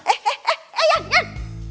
eh eh eh yan